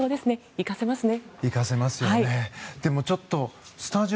生かせますね。